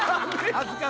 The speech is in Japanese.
恥ずかしい。